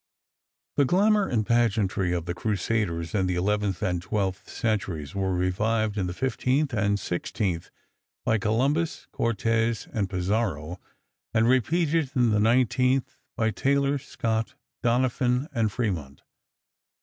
The glamour and pageantry of the crusaders in the eleventh and twelfth centuries were revived in the fifteenth and sixteenth by Columbus, Cortez, and Pizarro, and repeated in the nineteenth by Taylor, Scott, Doniphan, and Fremont.